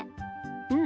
うん。